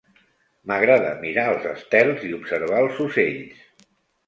M'agrada mirar els estels i observar els ocells.